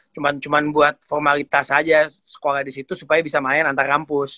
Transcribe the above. cuman buat formalitas aja sekolah disitu supaya bisa main antar kampus